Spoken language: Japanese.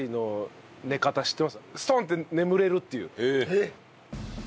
えっ？